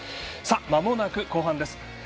まもなく後半です。